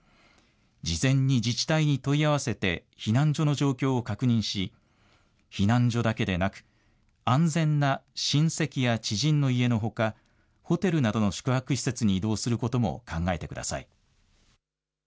事前に自治体に問い合わせて避難所の状況を確認し、避難所だけでなく安全な親戚や知人の家のほか、ホテルなどの宿泊施設に移動することも考えてください。